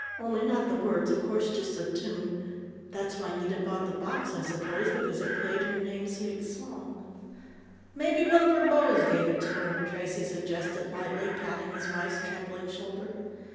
"Only not the words, of course, just the tune. That's why Nita bought the box, I suppose, because it played her namesake song " "Maybe one of her beaus gave it to her," Tracey suggested lightly, patting his wife's trembling shoulder.